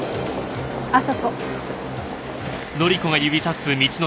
あそこ。